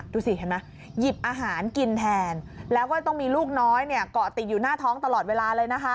ดูสิเห็นไหมหยิบอาหารกินแทนแล้วก็ต้องมีลูกน้อยเนี่ยเกาะติดอยู่หน้าท้องตลอดเวลาเลยนะคะ